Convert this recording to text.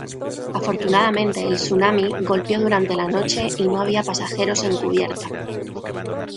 Afortunadamente el tsunami golpeó durante la noche y no había pasajeros en cubierta.